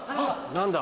何だ。